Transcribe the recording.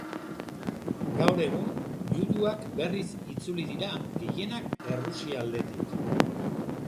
Gaur egun juduak berriz itzuli dira, gehienak Errusia aldetik.